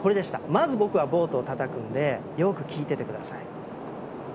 まず僕はボートをたたくのでよく聞いてて下さい。